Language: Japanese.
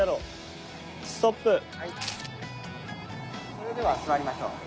それでは座りましょう。